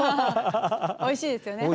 おいしいですよね。